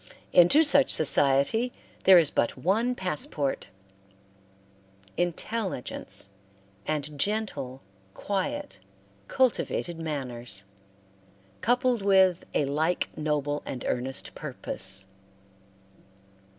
Into such society there is but one passport intelligence, and gentle, quiet, cultivated manners, coupled with a like noble and earnest purpose.